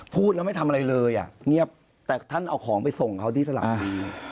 พูดแล้วไม่ทำอะไรเลยอ่ะเงียบแต่ท่านเอาของไปส่งเขาที่สลับบุรี